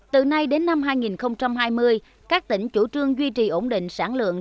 từ nay đến năm hai nghìn hai mươi các tỉnh chủ trương duy trì ổn định sản lượng